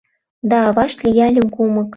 Да авашт лиялыл кумык